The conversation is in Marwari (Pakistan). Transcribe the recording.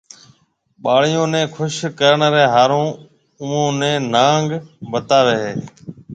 ٻاڙيون ني خوش ڪرڻ ري ۿارو اوئون ني نانگ بتاوي ھيَََ